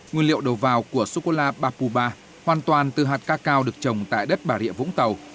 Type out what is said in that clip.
nguyên liệu đầu vào của sô cô la bapuba hoàn toàn từ hạt ca cao được trồng tại đất bà rịa vũng tàu